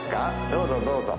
どうぞどうぞ。